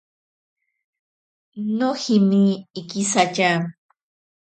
Nojime ikisatya.